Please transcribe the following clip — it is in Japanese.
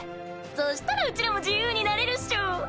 そしたらうちらも自由になれるっしょ。